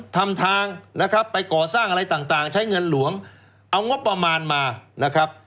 ทำทางนะครับไปก่อสร้างอะไรต่างใช้เงินหลวงเอางบประมาณมานะครับ